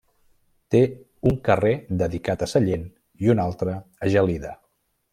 Té un carrer dedicat a Sallent i un altre a Gelida.